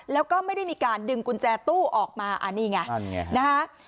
แล้วก็ไม่ได้มีการดึงกุญแจตู้ออกมาอันนี้ไงนั่นไงนะฮะ